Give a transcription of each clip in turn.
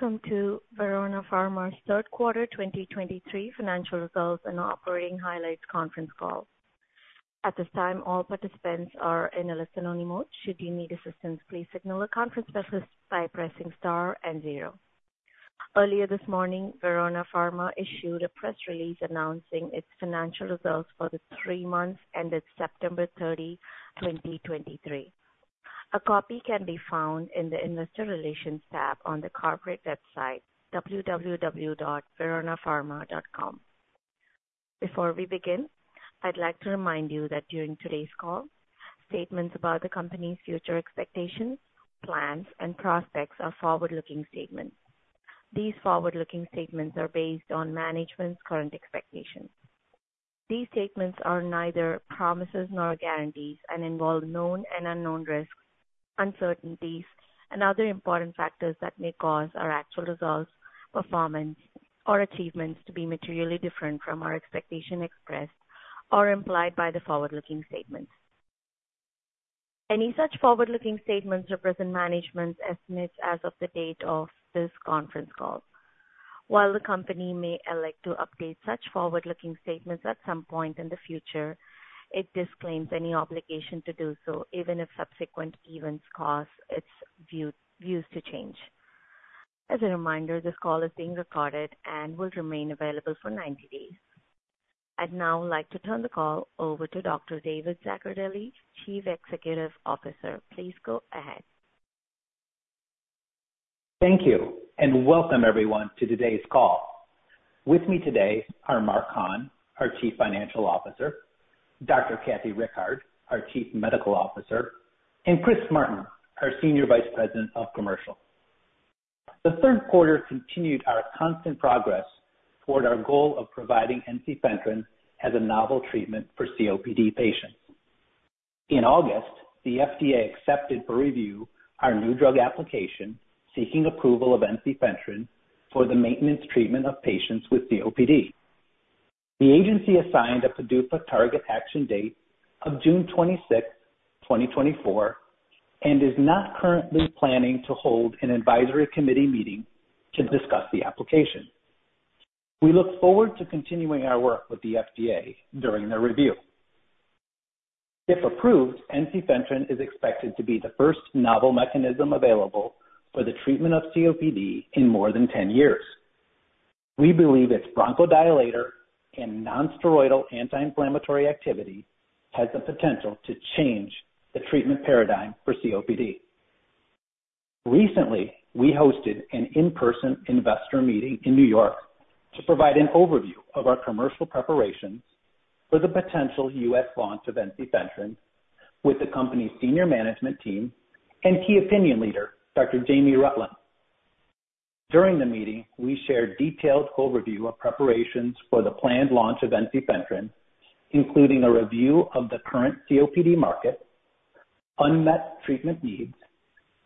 Welcome to Verona Pharma's third quarter 2023 financial results and operating highlights conference call. At this time, all participants are in a listen-only mode. Should you need assistance, please signal the conference specialist by pressing star and zero. Earlier this morning, Verona Pharma issued a press release announcing its financial results for the three months ended September 30, 2023. A copy can be found in the Investor Relations tab on the corporate website, www.veronapharma.com. Before we begin, I'd like to remind you that during today's call, statements about the company's future expectations, plans, and prospects are forward-looking statements. These forward-looking statements are based on management's current expectations. These statements are neither promises nor guarantees and involve known and unknown risks, uncertainties, and other important factors that may cause our actual results, performance, or achievements to be materially different from our expectation expressed or implied by the forward-looking statements. Any such forward-looking statements represent management's estimates as of the date of this conference call. While the company may elect to update such forward-looking statements at some point in the future, it disclaims any obligation to do so, even if subsequent events cause its views to change. As a reminder, this call is being recorded and will remain available for 90 days. I'd now like to turn the call over to Dr. David Zaccardelli, Chief Executive Officer. Please go ahead. Thank you, and welcome, everyone, to today's call. With me today are Mark Hahn, our Chief Financial Officer, Dr. Kathy Rickard, our Chief Medical Officer, and Chris Martin, our Senior Vice President of Commercial. The third quarter continued our constant progress toward our goal of providing ensifentrine as a novel treatment for COPD patients. In August, the FDA accepted for review our new drug application, seeking approval of ensifentrine for the maintenance treatment of patients with COPD. The agency assigned a PDUFA target action date of June 26th, 2024, and is not currently planning to hold an advisory committee meeting to discuss the application. We look forward to continuing our work with the FDA during their review. If approved, ensifentrine is expected to be the first novel mechanism available for the treatment of COPD in more than 10 years. We believe its bronchodilator and non-steroidal anti-inflammatory activity has the potential to change the treatment paradigm for COPD. Recently, we hosted an in-person investor meeting in New York to provide an overview of our commercial preparations for the potential U.S. launch of ensifentrine with the company's senior management team and key opinion leader, Dr. Jamie Rutland. During the meeting, we shared detailed overview of preparations for the planned launch of ensifentrine, including a review of the current COPD market, unmet treatment needs,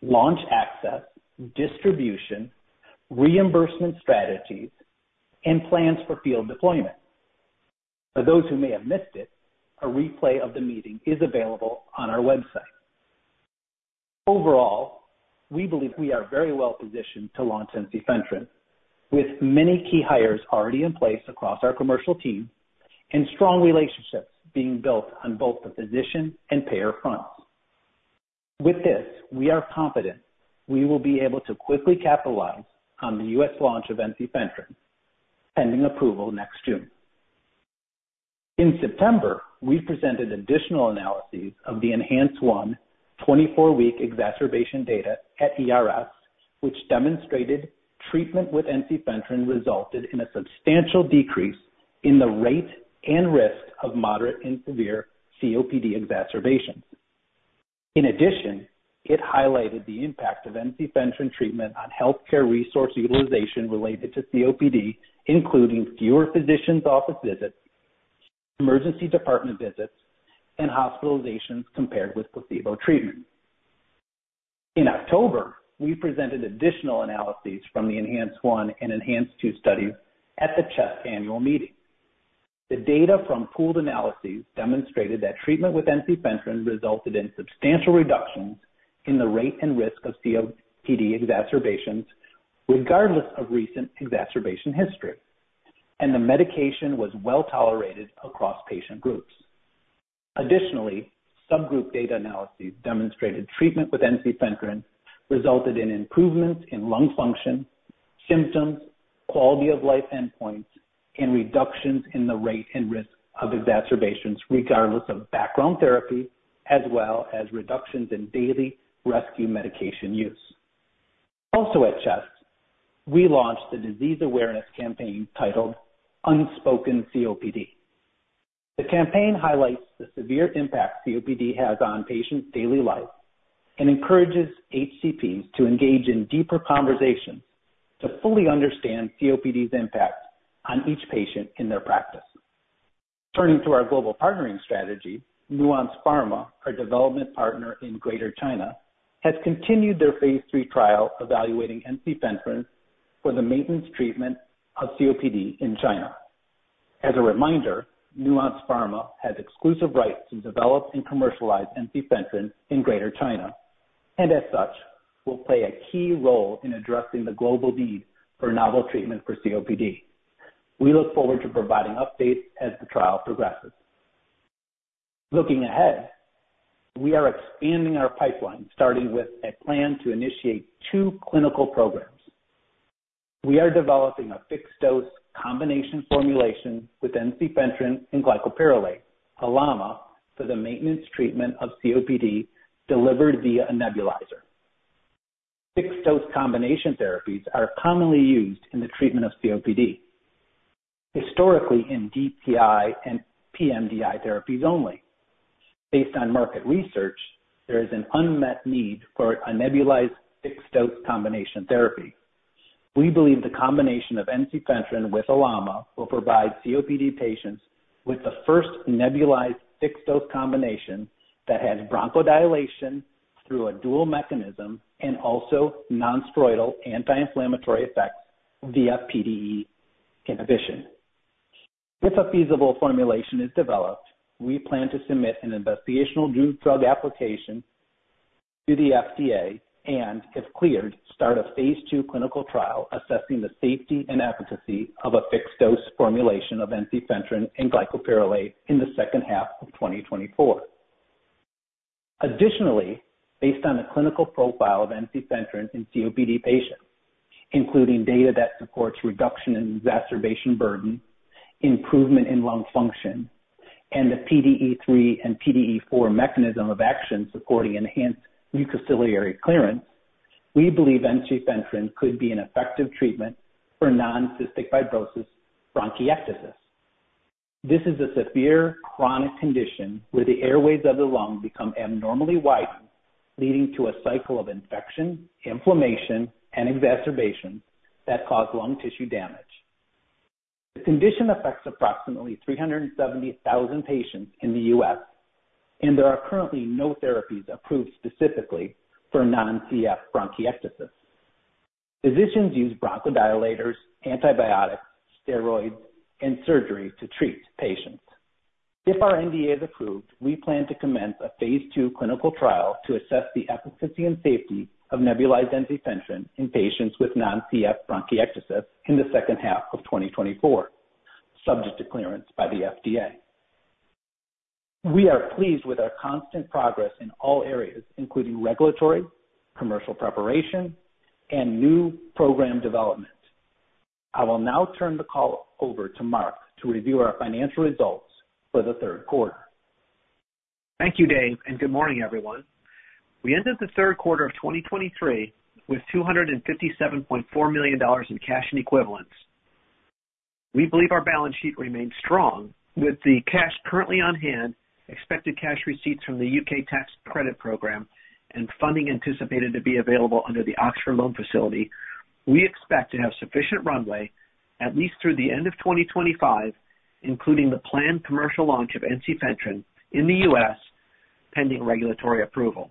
launch access, distribution, reimbursement strategies, and plans for field deployment. For those who may have missed it, a replay of the meeting is available on our website. Overall, we believe we are very well positioned to launch ensifentrine, with many key hires already in place across our commercial team and strong relationships being built on both the physician and payer fronts. With this, we are confident we will be able to quickly capitalize on the U.S. launch of ensifentrine, pending approval next June. In September, we presented additional analyses of the ENHANCE-1 24-week exacerbation data at ERS, which demonstrated treatment with ensifentrine resulted in a substantial decrease in the rate and risk of moderate and severe COPD exacerbations. In addition, it highlighted the impact of ensifentrine treatment on healthcare resource utilization related to COPD, including fewer physicians' office visits, emergency department visits, and hospitalizations compared with placebo treatment. In October, we presented additional analyses from the ENHANCE-1 and ENHANCE-2 studies at the CHEST Annual Meeting. The data from pooled analyses demonstrated that treatment with ensifentrine resulted in substantial reductions in the rate and risk of COPD exacerbations, regardless of recent exacerbation history, and the medication was well tolerated across patient groups. Additionally, subgroup data analyses demonstrated treatment with ensifentrine resulted in improvements in lung function, symptoms, quality of life endpoints, and reductions in the rate and risk of exacerbations, regardless of background therapy, as well as reductions in daily rescue medication use. Also at CHEST, we launched a disease awareness campaign titled Unspoken COPD. The campaign highlights the severe impact COPD has on patients' daily lives and encourages HCPs to engage in deeper conversations to fully understand COPD's impact on each patient in their practice. Turning to our global partnering strategy, Nuance Pharma, our development partner in Greater China, has continued their phase III trial evaluating ensifentrine for the maintenance treatment of COPD in China. As a reminder, Nuance Pharma has exclusive rights to develop and commercialize ensifentrine in Greater China, and as such, will play a key role in addressing the global need for novel treatment for COPD. We look forward to providing updates as the trial progresses. Looking ahead, we are expanding our pipeline, starting with a plan to initiate two clinical programs. We are developing a fixed-dose combination formulation with ensifentrine and glycopyrrolate, LAMA, for the maintenance treatment of COPD delivered via a nebulizer. Fixed-dose combination therapies are commonly used in the treatment of COPD, historically in DPI and pMDI therapies only. Based on market research, there is an unmet need for a nebulized fixed-dose combination therapy. We believe the combination of ensifentrine with LAMA will provide COPD patients with the first nebulized fixed-dose combination that has bronchodilation through a dual mechanism and also non-steroidal anti-inflammatory effects via PDE inhibition. If a feasible formulation is developed, we plan to submit an investigational new drug application to the FDA and, if cleared, start a phase II clinical trial assessing the safety and efficacy of a fixed-dose formulation of ensifentrine and glycopyrrolate in the second half of 2024. Additionally, based on the clinical profile of ensifentrine in COPD patients, including data that supports reduction in exacerbation burden, improvement in lung function, and the PDE3 and PDE4 mechanism of action supporting enhanced mucociliary clearance, we believe ensifentrine could be an effective treatment for non-cystic fibrosis bronchiectasis. This is a severe chronic condition where the airways of the lung become abnormally widened, leading to a cycle of infection, inflammation, and exacerbation that cause lung tissue damage. The condition affects approximately 370,000 patients in the U.S., and there are currently no therapies approved specifically for non-CF bronchiectasis. Physicians use bronchodilators, antibiotics, steroids, and surgery to treat patients. If our NDA is approved, we plan to commence a phase II clinical trial to assess the efficacy and safety of nebulized ensifentrine in patients with non-CF bronchiectasis in the second half of 2024, subject to clearance by the FDA. We are pleased with our constant progress in all areas, including regulatory, commercial preparation, and new program development. I will now turn the call over to Mark to review our financial results for the third quarter. Thank you, Dave, and good morning, everyone. We ended the third quarter of 2023 with $257.4 million in cash and equivalents. We believe our balance sheet remains strong. With the cash currently on hand, expected cash receipts from the U.K. tax credit program, and funding anticipated to be available under the Oxford loan facility, we expect to have sufficient runway at least through the end of 2025, including the planned commercial launch of ensifentrine in the U.S., pending regulatory approval.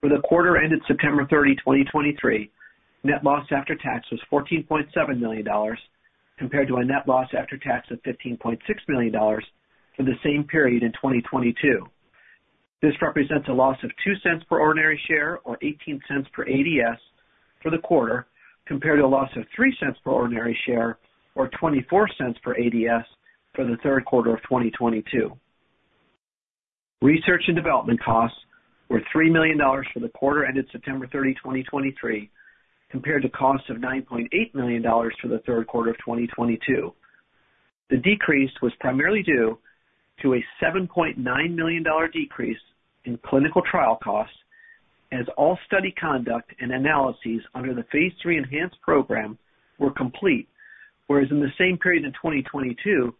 For the quarter ended September 30, 2023, net loss after tax was $14.7 million, compared to a net loss after tax of $15.6 million for the same period in 2022. This represents a loss of $0.02 per ordinary share or $0.18 per ADS for the quarter, compared to a loss of $0.03 per ordinary share or $0.24 per ADS for the third quarter of 2022. Research and development costs were $3 million for the quarter ended September 30, 2023, compared to costs of $9.8 million for the third quarter of 2022. The decrease was primarily due to a $7.9 million decrease in clinical trial costs, as all study conduct and analyses under the phase III ENHANCE program were complete, whereas in the same period in 2022,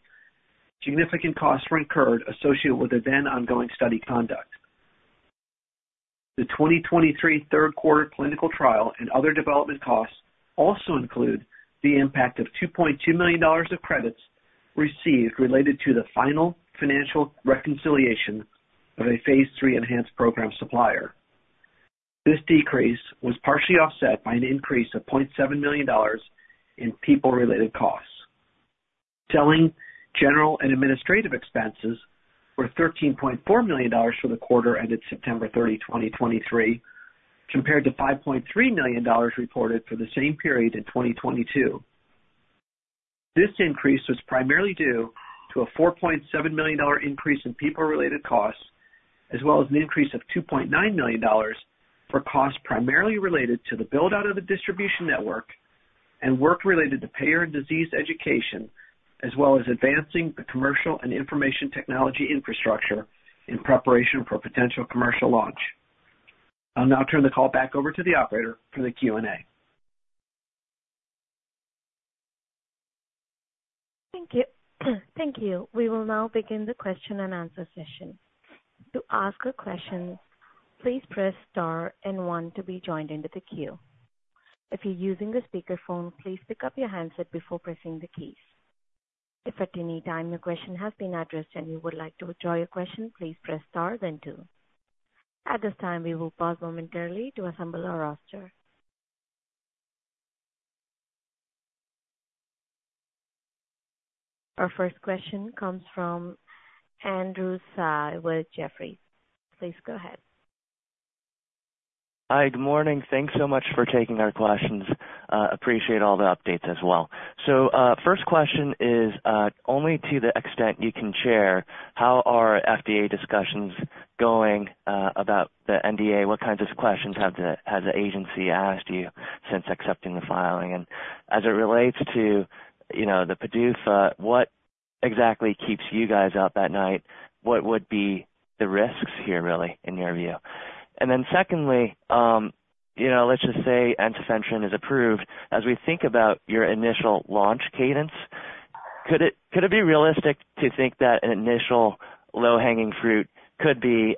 significant costs were incurred associated with the then ongoing study conduct. The 2023 third quarter clinical trial and other development costs also include the impact of $2.2 million of credits received related to the final financial reconciliation of a phase III ENHANCE program supplier. This decrease was partially offset by an increase of $0.7 million in people-related costs. Selling, general, and administrative expenses were $13.4 million for the quarter ended September 30, 2023, compared to $5.3 million reported for the same period in 2022. This increase was primarily due to a $4.7 million increase in people-related costs, as well as an increase of $2.9 million for costs primarily related to the build-out of the distribution network and work related to payer and disease education, as well as advancing the commercial and information technology infrastructure in preparation for potential commercial launch. I'll now turn the call back over to the operator for the Q&A. Thank you. Thank you. We will now begin the question and answer session. To ask a question, please press star and one to be joined into the queue. If you're using a speakerphone, please pick up your handset before pressing the keys. If at any time your question has been addressed and you would like to withdraw your question, please press star then two. At this time, we will pause momentarily to assemble our roster. Our first question comes from Andrew Tsai with Jefferies. Please go ahead. Hi, good morning. Thanks so much for taking our questions. Appreciate all the updates as well. So, first question is, only to the extent you can share, how are FDA discussions going about the NDA? What kinds of questions has the agency asked you since accepting the filing? And as it relates to, you know, the PDUFA, what exactly keeps you guys up at night? What would be the risks here, really, in your view? And then secondly, you know, let's just say ensifentrine is approved. As we think about your initial launch cadence, could it be realistic to think that an initial low-hanging fruit could be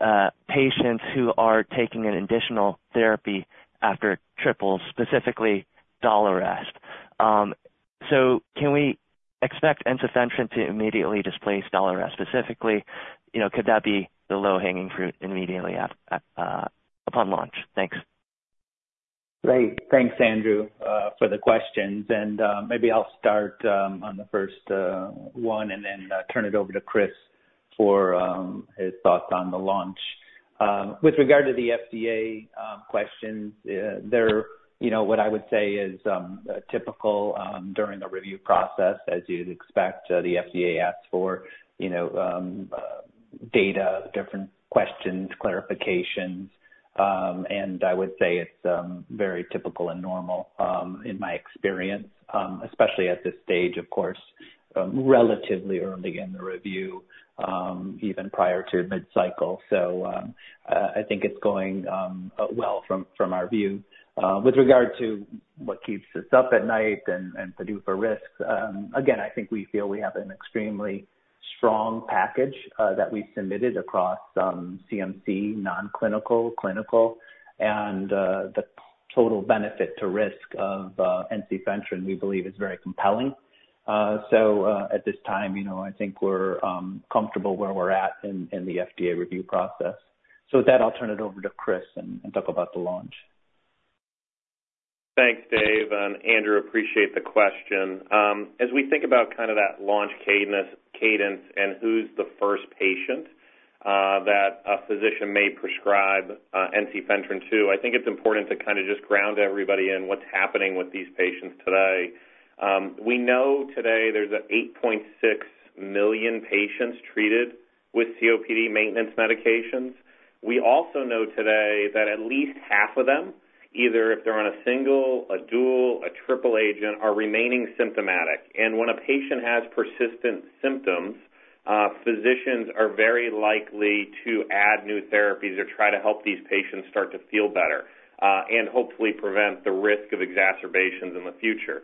patients who are taking an additional therapy after triple, specifically Daliresp? So can we expect ensifentrine to immediately displace Daliresp? Specifically, you know, could that be the low-hanging fruit immediately upon launch? Thanks. Great. Thanks, Andrew, for the questions, and maybe I'll start on the first one, and then turn it over to Chris for his thoughts on the launch. With regard to the FDA questions, they're, you know, what I would say is typical during the review process, as you'd expect, the FDA asks for, you know, data, different questions, clarifications. And I would say it's very typical and normal in my experience, especially at this stage, of course, relatively early in the review, even prior to mid-cycle. So, I think it's going well from our view. With regard to what keeps us up at night and PDUFA risks, again, I think we feel we have an extremely strong package that we submitted across CMC, non-clinical, clinical, and the total benefit to risk of ensifentrine, we believe is very compelling. So at this time, you know, I think we're comfortable where we're at in the FDA review process. So with that, I'll turn it over to Chris and talk about the launch. Thanks, Dave, and Andrew, appreciate the question. As we think about kind of that launch cadence and who's the first patient that a physician may prescribe ensifentrine to, I think it's important to kind of just ground everybody in what's happening with these patients today. We know today there's 8.6 million patients treated with COPD maintenance medications. We also know today that at least half of them, either if they're on a single, a dual, a triple agent, are remaining symptomatic. And when a patient has persistent symptoms, physicians are very likely to add new therapies or try to help these patients start to feel better and hopefully prevent the risk of exacerbations in the future.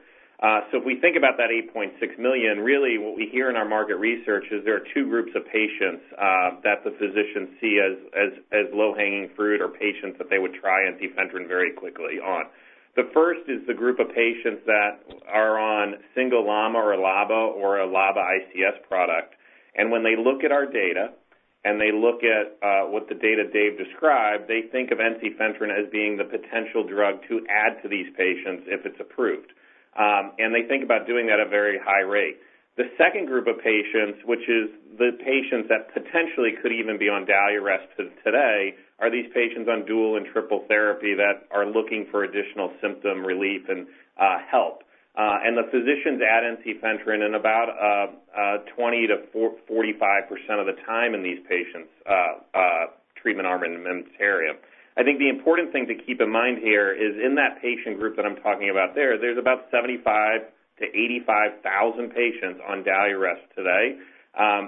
So if we think about that $8.6 million, really what we hear in our market research is there are two groups of patients that the physicians see as low-hanging fruit or patients that they would try ensifentrine very quickly on. The first is the group of patients that are on single LAMA or LABA or a LABA ICS product, and when they look at our data and they look at what the data Dave described, they think of ensifentrine as being the potential drug to add to these patients if it's approved. And they think about doing that at a very high rate. The second group of patients, which is the patients that potentially could even be on Daliresp today, are these patients on dual and triple therapy that are looking for additional symptom relief and help. And the physicians add ensifentrine in about 20%-45% of the time in these patients' treatment arm in the ENHANCE. I think the important thing to keep in mind here is in that patient group that I'm talking about there, there's about 75,000-85,000 patients on Daliresp today,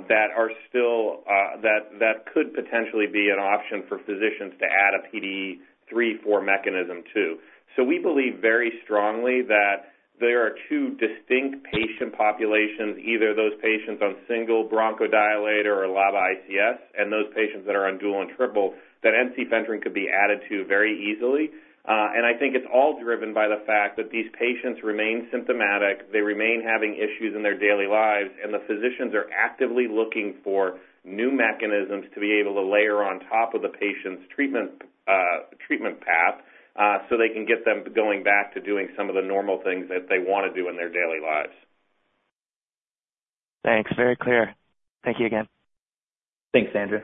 that are still that could potentially be an option for physicians to add a PDE3/4 mechanism to. So we believe very strongly that there are two distinct patient populations, either those patients on single bronchodilator or LABA ICS, and those patients that are on dual and triple, that ensifentrine could be added to very easily. I think it's all driven by the fact that these patients remain symptomatic. They remain having issues in their daily lives, and the physicians are actively looking for new mechanisms to be able to layer on top of the patient's treatment path, so they can get them going back to doing some of the normal things that they wanna do in their daily lives. Thanks. Very clear. Thank you again. Thanks, Andrew.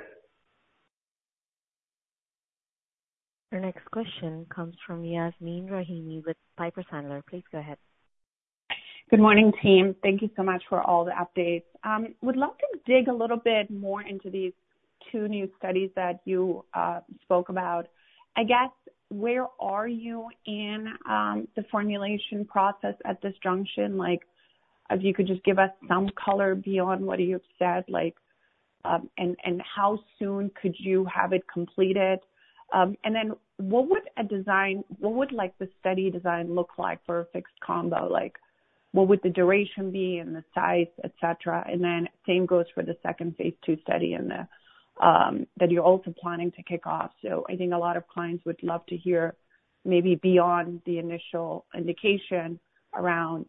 Our next question comes from Yasmeen Rahimi with Piper Sandler. Please go ahead. Good morning, team. Thank you so much for all the updates. Would love to dig a little bit more into these two new studies that you spoke about. I guess, where are you in the formulation process at this junction? Like, if you could just give us some color beyond what you've said, like, and how soon could you have it completed? And then what would the study design look like for a fixed combo? Like, what would the duration be and the size, et cetera? And then same goes for the second phase II study and that you're also planning to kick off. So I think a lot of clients would love to hear maybe beyond the initial indication around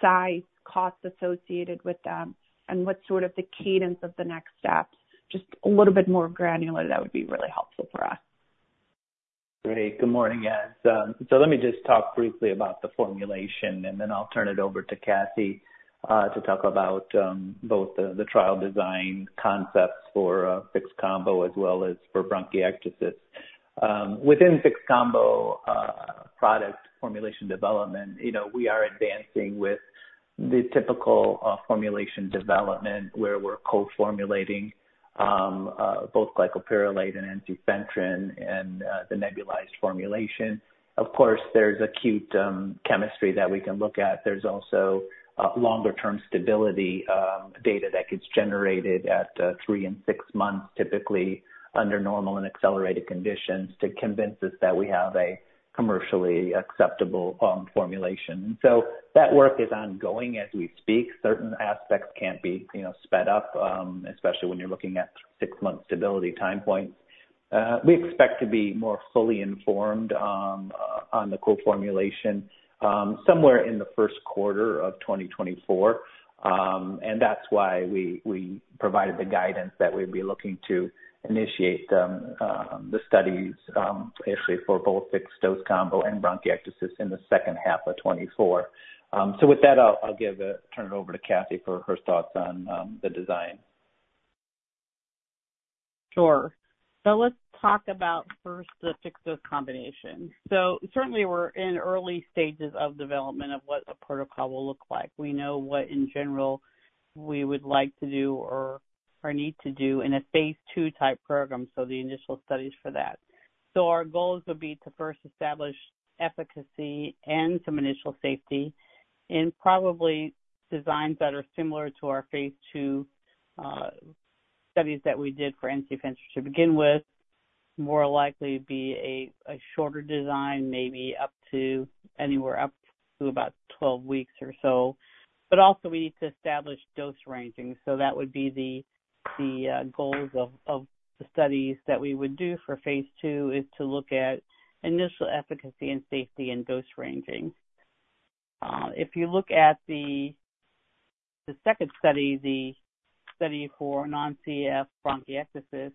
size, costs associated with them, and what's sort of the cadence of the next steps? Just a little bit more granular, that would be really helpful for us. Great. Good morning, Yas. So let me just talk briefly about the formulation, and then I'll turn it over to Kathy to talk about both the trial design concepts for fixed combo as well as for bronchiectasis. Within fixed combo, product formulation development, you know, we are advancing with the typical formulation development, where we're co-formulating both glycopyrrolate and ensifentrine and the nebulized formulation. Of course, there's acute chemistry that we can look at. There's also longer term stability data that gets generated at three and six months, typically under normal and accelerated conditions, to convince us that we have a commercially acceptable formulation. So that work is ongoing as we speak. Certain aspects can't be, you know, sped up, especially when you're looking at six-month stability time points. We expect to be more fully informed on the co-formulation somewhere in the first quarter of 2024. That's why we provided the guidance that we'd be looking to initiate the studies actually for both fixed-dose combo and bronchiectasis in the second half of 2024. With that, I'll turn it over to Kathy for her thoughts on the design. Sure. So let's talk about first, the fixed-dose combination. So certainly we're in early stages of development of what a protocol will look like. We know what, in general, we would like to do or need to do in a phase II type program, so the initial studies for that. So our goals would be to first establish efficacy and some initial safety, and probably designs that are similar to our phase II studies that we did for ensifentrine to begin with. More likely be a shorter design, maybe up to anywhere up to about 12 weeks or so. But also we need to establish dose ranging. So that would be the goals of the studies that we would do for phase II is to look at initial efficacy and safety and dose ranging. If you look at the second study, the study for non-CF bronchiectasis,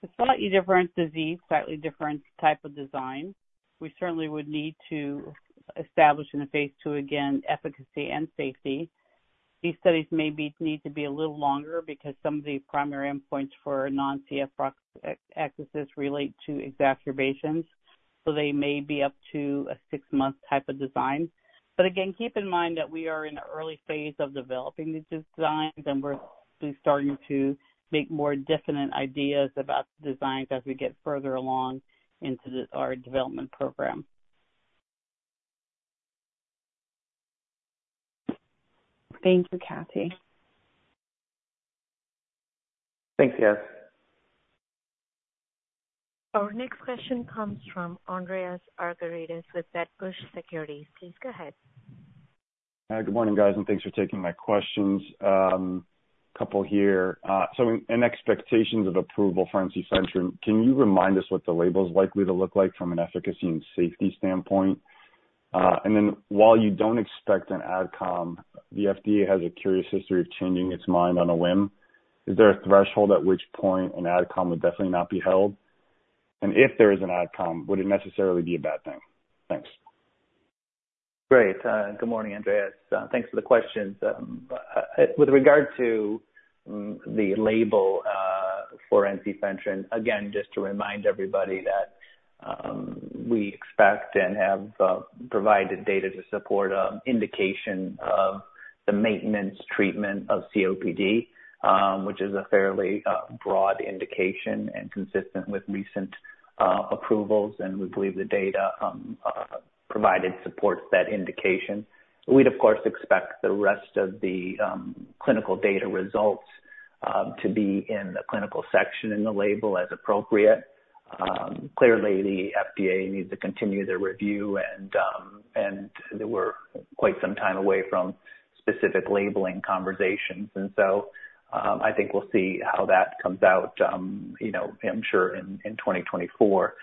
it's a slightly different disease, slightly different type of design. We certainly would need to establish in a phase II, again, efficacy and safety. These studies may be need to be a little longer because some of the primary endpoints for non-CF bronchiectasis relate to exacerbations, so they may be up to a six-month type of design. But again, keep in mind that we are in the early phase of developing these designs, and we're starting to make more definite ideas about the designs as we get further along into this, our development program. Thank you, Kathy. Thanks, Yas. Our next question comes from Andreas Argyrides with Wedbush Securities. Please go ahead. Hi, good morning, guys, and thanks for taking my questions. Couple here. So in expectations of approval for ensifentrine, can you remind us what the label is likely to look like from an efficacy and safety standpoint? And then while you don't expect an ad com, the FDA has a curious history of changing its mind on a whim. Is there a threshold at which point an ad com would definitely not be held? And if there is an ad com, would it necessarily be a bad thing? Thanks. Great. Good morning, Andreas. Thanks for the questions. With regard to the label for ensifentrine, again, just to remind everybody that we expect and have provided data to support an indication of the maintenance treatment of COPD, which is a fairly broad indication and consistent with recent approvals, and we believe the data provided supports that indication. We'd of course expect the rest of the clinical data results to be in the clinical section in the label as appropriate. Clearly, the FDA needs to continue their review and we're quite some time away from specific labeling conversations. So I think we'll see how that comes out, you know, I'm sure in 2024.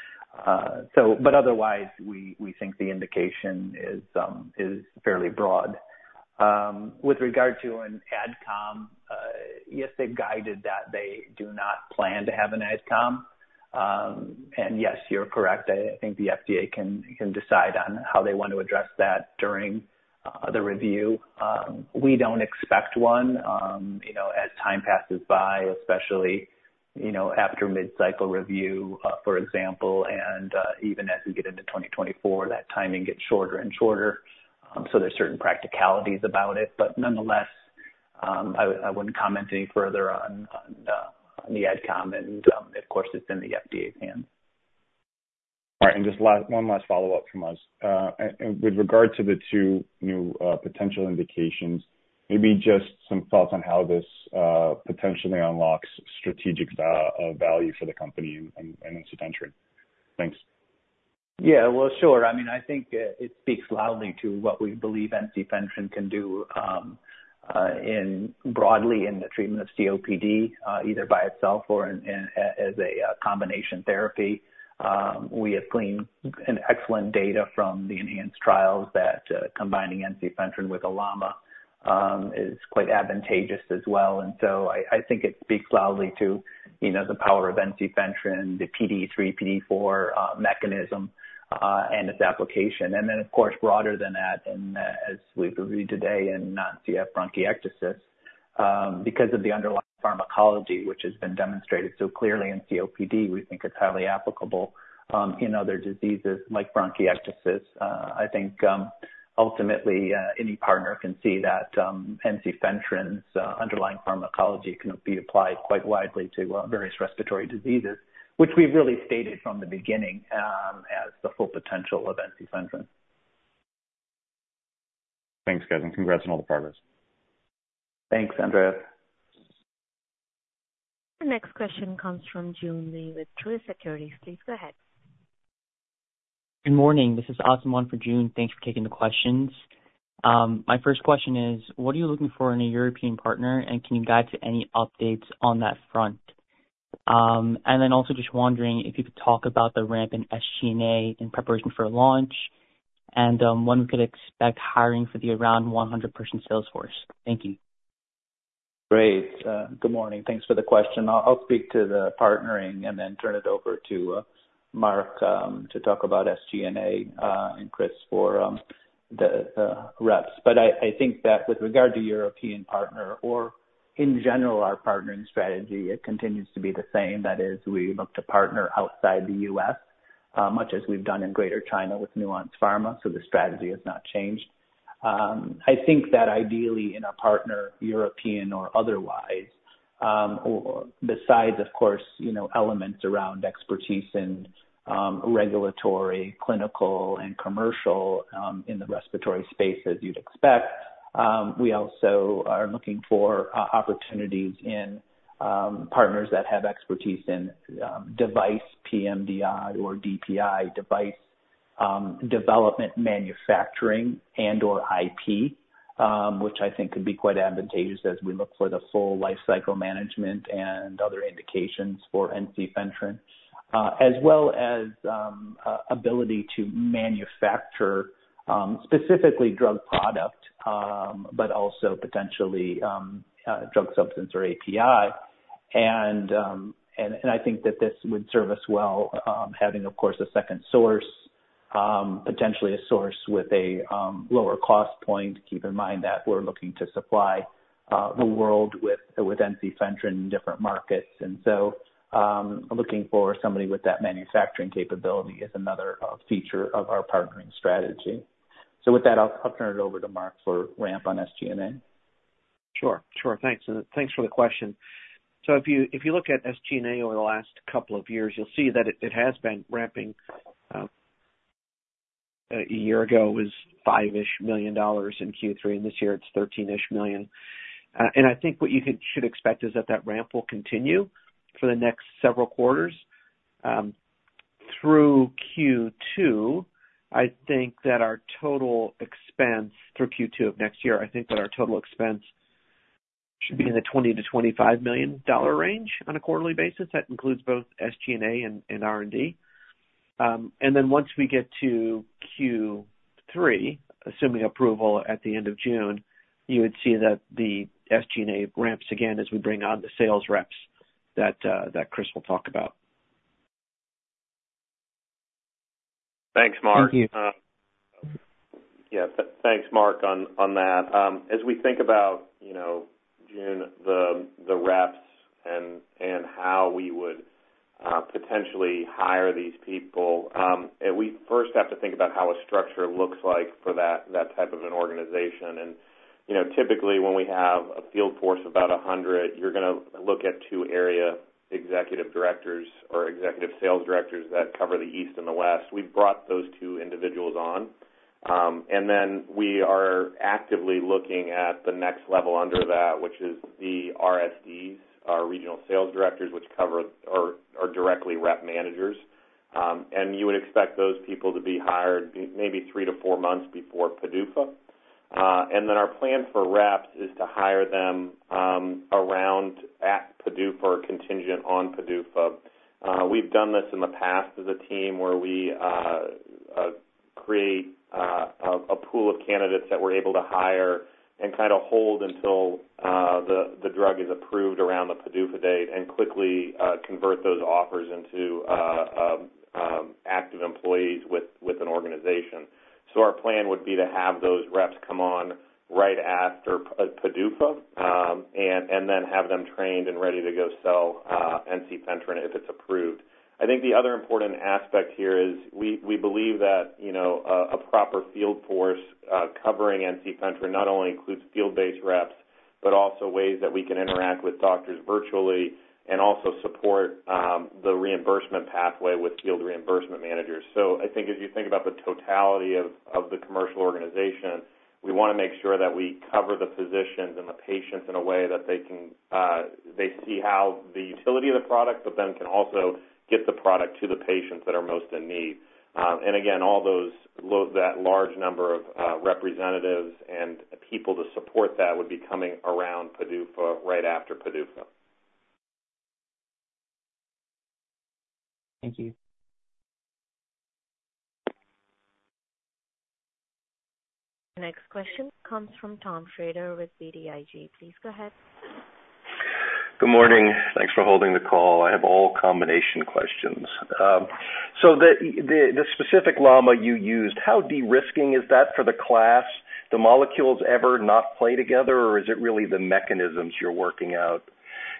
But otherwise, we think the indication is fairly broad. With regard to an ad com, yes, they've guided that they do not plan to have an ad com. Yes, you're correct. I think the FDA can decide on how they want to address that during the review. We don't expect one, you know, as time passes by, especially, you know, after mid-cycle review, for example, and even as we get into 2024, that timing gets shorter and shorter. There's certain practicalities about it. Nonetheless, I wouldn't comment any further on the ad com, and of course, it's in the FDA's hands. All right, one last follow-up from us. And with regard to the two new potential indications, maybe just some thoughts on how this potentially unlocks strategic value for the company and ensifentrine. Thanks. Yeah, well, sure. I mean, I think it speaks loudly to what we believe ensifentrine can do, broadly in the treatment of COPD, either by itself or in as a combination therapy. We have seen an excellent data from the ENHANCE trials that combining ensifentrine with a LAMA is quite advantageous as well. And so I think it speaks loudly to, you know, the power of ensifentrine, the PDE3, PDE4 mechanism, and its application. And then, of course, broader than that, and as we've reviewed today in non-CF bronchiectasis, because of the underlying pharmacology, which has been demonstrated so clearly in COPD, we think it's highly applicable in other diseases like bronchiectasis. I think, ultimately, any partner can see that, ensifentrine's underlying pharmacology can be applied quite widely to various respiratory diseases, which we've really stated from the beginning, as the full potential of ensifentrine. Thanks, guys, and congrats on all the progress. Thanks, Andreas. The next question comes from Joon Lee with Truist Securities. Please go ahead. Good morning. This is Asim for June. Thanks for taking the questions. My first question is, what are you looking for in a European partner, and can you guide to any updates on that front? And then also just wondering if you could talk about the ramp in SG&A in preparation for launch, and when we could expect hiring for the around 100-person sales force. Thank you. Great. Good morning. Thanks for the question. I'll speak to the partnering and then turn it over to Mark to talk about SG&A and Chris for the reps. But I think that with regard to European partner or in general, our partnering strategy, it continues to be the same. That is, we look to partner outside the U.S., much as we've done in Greater China with Nuance Pharma, so the strategy has not changed. I think that ideally in a partner, European or otherwise, or besides of course, you know, elements around expertise in regulatory, clinical, and commercial in the respiratory space as you'd expect, we also are looking for opportunities in partners that have expertise in device pMDI or DPI device development, manufacturing, and/or IP. which I think could be quite advantageous as we look for the full life cycle management and other indications for ensifentrine. As well as ability to manufacture, specifically drug product, but also potentially drug substance or API. And I think that this would serve us well, having, of course, a second source, potentially a source with a lower cost point. Keep in mind that we're looking to supply the world with ensifentrine in different markets, and so looking for somebody with that manufacturing capability is another feature of our partnering strategy. So with that, I'll turn it over to Mark for ramp on SG&A. Sure, sure. Thanks, and thanks for the question. So if you, if you look at SG&A over the last couple of years, you'll see that it, it has been ramping. A year ago, it was $5-ish million in Q3, and this year it's $13-ish million. And I think what you should expect is that that ramp will continue for the next several quarters, through Q2. I think that our total expense through Q2 of next year, I think that our total expense should be in the $20 million-$25 million range on a quarterly basis. That includes both SG&A and R&D. And then once we get to Q3, assuming approval at the end of June, you would see that the SG&A ramps again as we bring on the sales reps that that Chris will talk about. Thanks, Mark. Thank you. Yeah, thanks, Mark, on that. As we think about, you know, June, the reps and how we would potentially hire these people, and we first have to think about how a structure looks like for that type of an organization. You know, typically, when we have a field force of about 100, you're gonna look at two area executive directors or executive sales directors that cover the East and the West. We've brought those two individuals on. And then we are actively looking at the next level under that, which is the RSDs, our regional sales directors, which cover or directly rep managers. And you would expect those people to be hired maybe three to four months before PDUFA. And then our plan for reps is to hire them around at PDUFA or contingent on PDUFA. We've done this in the past as a team where we create a pool of candidates that we're able to hire and kind of hold until the drug is approved around the PDUFA date and quickly convert those offers into active employees with an organization. So our plan would be to have those reps come on right after PDUFA, and then have them trained and ready to go sell ensifentrine if it's approved. I think the other important aspect here is we believe that, you know, a proper field force covering ensifentrine not only includes field-based reps, but also ways that we can interact with doctors virtually and also support the reimbursement pathway with field reimbursement managers. So I think as you think about the totality of the commercial organization, we wanna make sure that we cover the physicians and the patients in a way that they can see how the utility of the product, but then can also get the product to the patients that are most in need. And again, all those that large number of representatives and the people to support that would be coming around PDUFA, right after PDUFA. Thank you. The next question comes from Tom Shrader with BTIG. Please go ahead. Good morning. Thanks for holding the call. I have all combination questions. So the specific LAMA you used, how de-risking is that for the class? The molecules ever not play together, or is it really the mechanisms you're working out?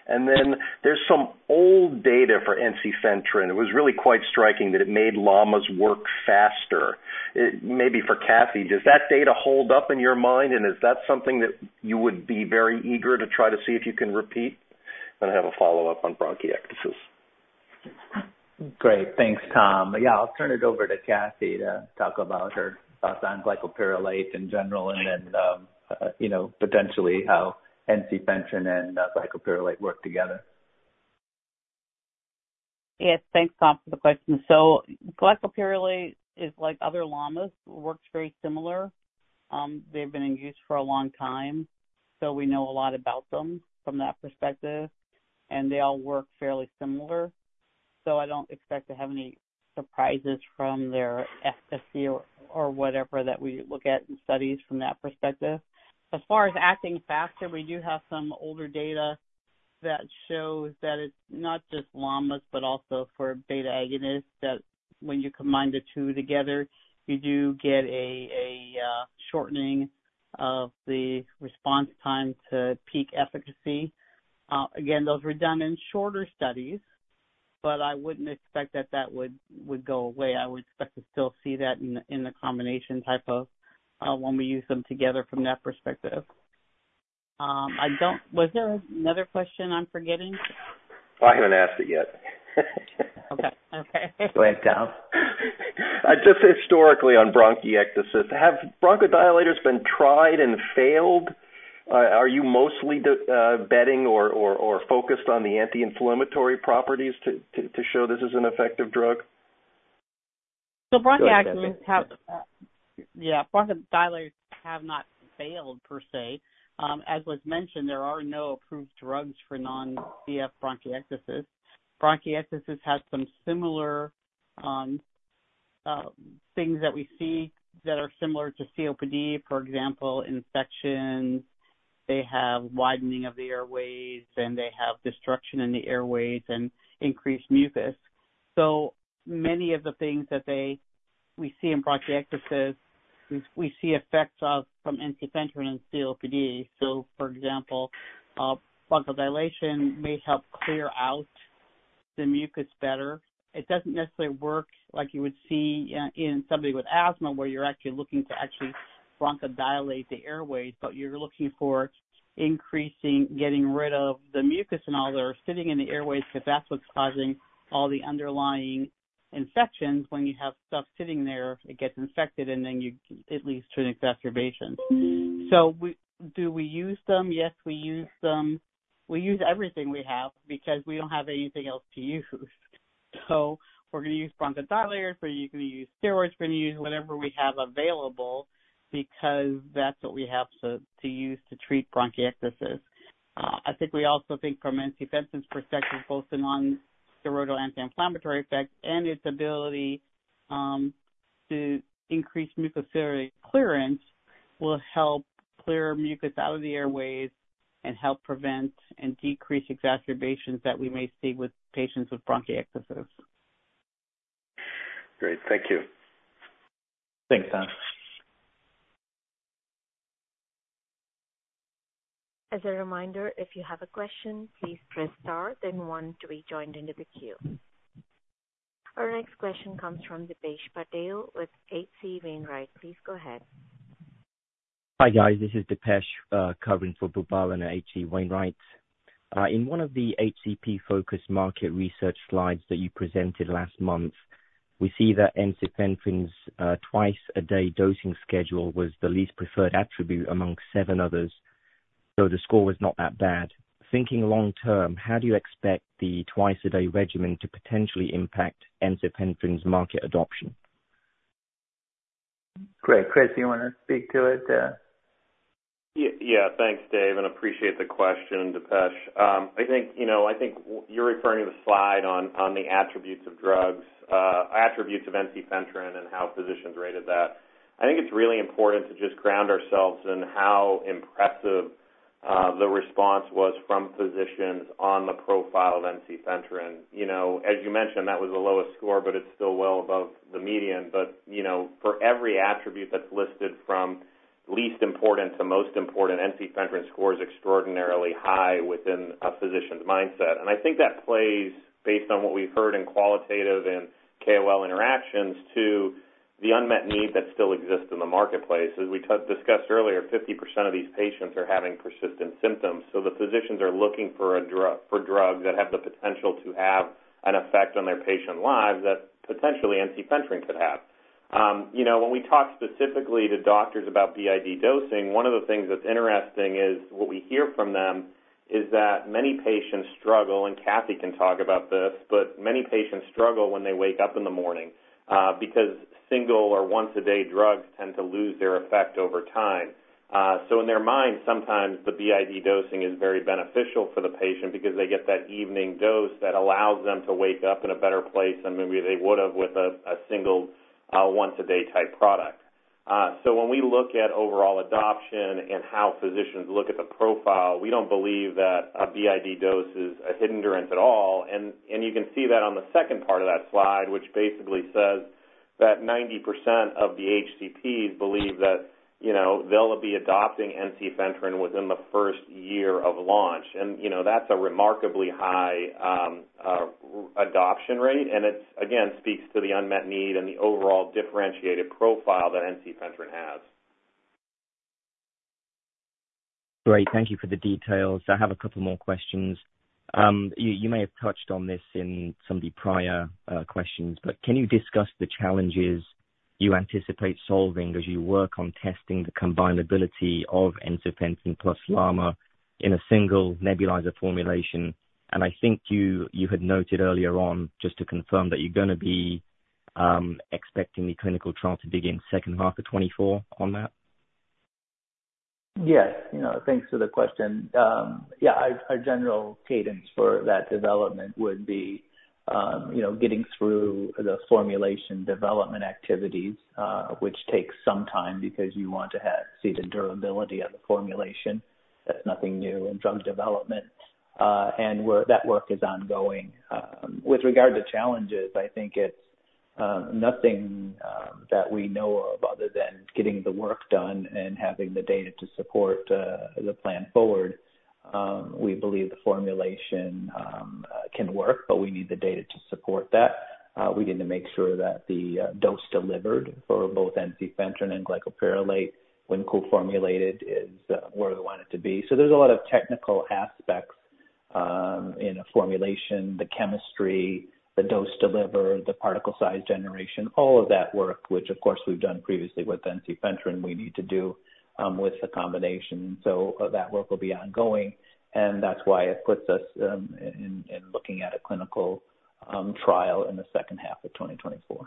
And then there's some old data for ensifentrine. It was really quite striking that it made LAMAs work faster. It maybe for Kathy, does that data hold up in your mind, and is that something that you would be very eager to try to see if you can repeat? And I have a follow-up on bronchiectasis. Great. Thanks, Tom. Yeah, I'll turn it over to Kathy to talk about her thoughts on glycopyrrolate in general and then, you know, potentially how ensifentrine and glycopyrrolate work together. Yes, thanks, Tom, for the question. So glycopyrrolate is like other LAMAs, works very similar. They've been in use for a long time, so we know a lot about them from that perspective, and they all work fairly similar. So I don't expect to have any surprises from their efficacy or, or whatever, that we look at in studies from that perspective. As far as acting faster, we do have some older data that shows that it's not just LAMAs, but also for beta-agonists, that when you combine the two together, you do get a shortening of the response time to peak efficacy. Again, those were done in shorter studies, but I wouldn't expect that would go away. I would expect to still see that in the combination type of when we use them together from that perspective. I don't... Was there another question I'm forgetting? I haven't asked it yet. Okay. Okay. Go ahead, Tom. Just historically on bronchiectasis, have bronchodilators been tried and failed? Are you mostly betting or focused on the anti-inflammatory properties to show this is an effective drug? So bronchiectasis have- Go ahead, Kathy. Yeah, bronchodilators have not failed per se. As was mentioned, there are no approved drugs for non-CF bronchiectasis. Bronchiectasis has some similar things that we see that are similar to COPD, for example, infections. They have widening of the airways, and they have destruction in the airways and increased mucus. So many of the things that we see in bronchiectasis, we see effects of from ensifentrine in COPD. So for example, bronchodilation may help clear out the mucus better. It doesn't necessarily work like you would see in somebody with asthma, where you're actually looking to actually bronchodilate the airways, but you're looking for increasing, getting rid of the mucus and all that are sitting in the airways, because that's what's causing all the underlying infections. When you have stuff sitting there, it gets infected and then it leads to an exacerbation. So, do we use them? Yes, we use them. We use everything we have because we don't have anything else to use. So we're gonna use bronchodilators, we're gonna use steroids, we're gonna use whatever we have available, because that's what we have to, to use to treat bronchiectasis. I think we also think from ensifentrine's perspective, both the non-steroidal anti-inflammatory effect and its ability, to increase mucociliary clearance, will help clear mucus out of the airways and help prevent and decrease exacerbations that we may see with patients with bronchiectasis. Great. Thank you. Thanks, Tom. As a reminder, if you have a question, please press star then one to be joined into the queue. Our next question comes from Dipesh Patel with H.C. Wainwright. Please go ahead. Hi, guys. This is Dipesh, covering for Boobalan at H.C. Wainwright. In one of the HCP-focused market research slides that you presented last month, we see that ensifentrine's twice-a-day dosing schedule was the least preferred attribute among seven others, so the score was not that bad. Thinking long term, how do you expect the twice-a-day regimen to potentially impact ensifentrine's market adoption? Great. Chris, you want to speak to it? Yeah. Thanks, Dave, and appreciate the question, Dipesh. I think, you know, I think you're referring to the slide on the attributes of drugs, attributes of ensifentrine and how physicians rated that. I think it's really important to just ground ourselves in how impressive the response was from physicians on the profile of ensifentrine. You know, as you mentioned, that was the lowest score, but it's still well above the median. But, you know, for every attribute that's listed, from least important to most important, ensifentrine scores extraordinarily high within a physician's mindset. And I think that plays based on what we've heard in qualitative and KOL interactions to the unmet need that still exists in the marketplace. As we discussed earlier, 50% of these patients are having persistent symptoms, so the physicians are looking for a drug, for drugs that have the potential to have an effect on their patient lives that potentially ensifentrine could have. You know, when we talk specifically to doctors about BID dosing, one of the things that's interesting is what we hear from them is that many patients struggle, and Kathy can talk about this, but many patients struggle when they wake up in the morning, because single or once-a-day drugs tend to lose their effect over time. So in their mind, sometimes the BID dosing is very beneficial for the patient because they get that evening dose that allows them to wake up in a better place than maybe they would've with a single, once a day type product. So when we look at overall adoption and how physicians look at the profile, we don't believe that a BID dose is a hindrance at all. And you can see that on the second part of that slide, which basically says that 90% of the HCPs believe that, you know, they'll be adopting ensifentrine within the first year of launch. And, you know, that's a remarkably high adoption rate, and it, again, speaks to the unmet need and the overall differentiated profile that ensifentrine has. Great. Thank you for the details. I have a couple more questions. You may have touched on this in some of the prior questions, but can you discuss the challenges you anticipate solving as you work on testing the combinability of ensifentrine plus LAMA in a single nebulizer formulation? And I think you had noted earlier on, just to confirm, that you're gonna be expecting the clinical trial to begin second half of 2024 on that? Yes. You know, thanks for the question. Yeah, our general cadence for that development would be, you know, getting through the formulation development activities, which takes some time because you want to have seed endurance ability of the formulation. That's nothing new in drug development. We're—that work is ongoing. With regard to challenges, I think it's nothing that we know of other than getting the work done and having the data to support the plan forward. We believe the formulation can work, but we need the data to support that. We need to make sure that the dose delivered for both ensifentrine and glycopyrrolate, when co-formulated, is where we want it to be. So there's a lot of technical aspects, in a formulation, the chemistry, the dose delivered, the particle size generation, all of that work, which of course we've done previously with ensifentrine, we need to do, with the combination. So that work will be ongoing, and that's why it puts us, in looking at a clinical trial in the second half of 2024.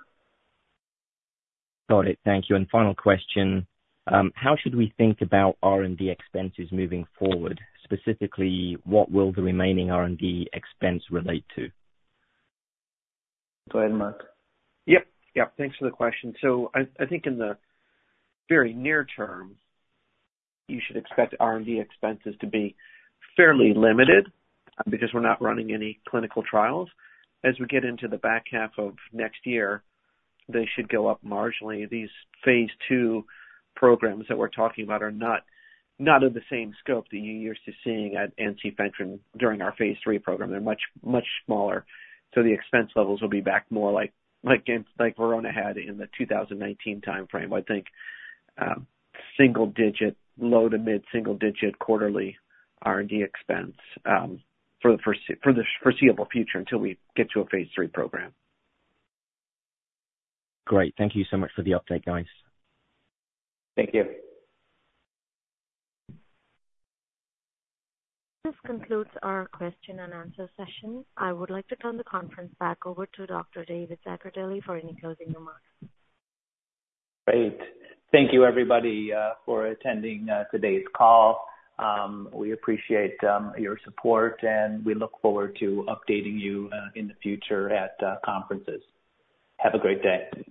Got it. Thank you. And final question, how should we think about R&D expenses moving forward? Specifically, what will the remaining R&D expense relate to? Go ahead, Mark. Yep. Yep, thanks for the question. So I, I think in the very near term, you should expect R&D expenses to be fairly limited because we're not running any clinical trials. As we get into the back half of next year, they should go up marginally. These phase II programs that we're talking about are not, not of the same scope that you're used to seeing at ensifentrine during our phase III program. They're much, much smaller, so the expense levels will be back more like, like in, like Verona had in the 2019 timeframe. I think, single digit, low to mid single digit quarterly R&D expense, for the foreseeable future, until we get to a phase III program. Great. Thank you so much for the update, guys. Thank you. This concludes our question and answer session. I would like to turn the conference back over to Dr. David Zaccardelli for any closing remarks. Great. Thank you, everybody, for attending today's call. We appreciate your support, and we look forward to updating you in the future at conferences. Have a great day.